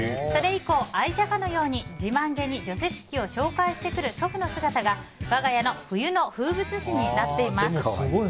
それ以降、愛車かのように自慢げに除雪機を紹介してくる祖父の姿が我が家の冬の風物詩になっています。